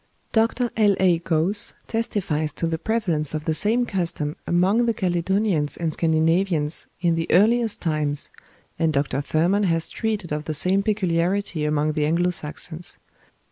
Dr. L. A. Gosse testifies to the prevalence of the same custom among the Caledonians and Scandinavians in the earliest times; and Dr. Thurman has treated of the same peculiarity among the Anglo Saxons.